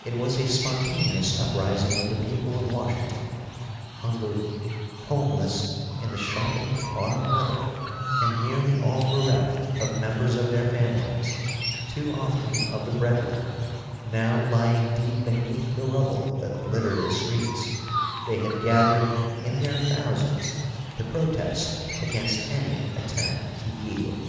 It was a spontaneous uprising of the people of Washington. Hungry, homeless in the sharpening autumn weather, and nearly all bereft of members of their families, too often of the breadwinner, now lying deep beneath the rubble that littered the streets, they had gathered in their thousands to protest against any attempt to yield.